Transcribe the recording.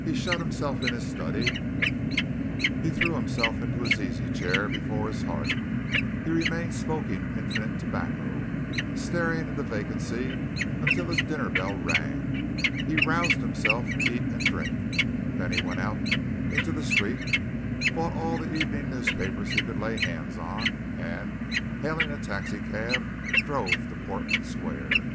He shut himself in his study; he threw himself into his easy chair before his hearth; he remained smoking infinite tobacco, staring into vacancy, until his dinner bell rang. He roused himself to eat and drink; then he went out into the street, bought all the evening newspapers he could lay hands on, and, hailing a taxi cab, drove to Portman Square.